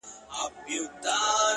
چي محبت يې زړه كي ځاى پـيـدا كـړو!!